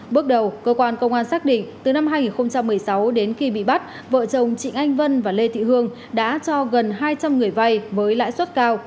bước đầu cơ quan công an xác định từ năm hai nghìn một mươi sáu đến khi bị bắt vợ chồng trịnh anh vân và lê thị hương đã cho gần hai trăm linh người vay với lãi suất cao